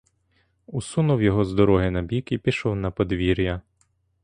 Усунув його з дороги набік і пішов на подвір'я.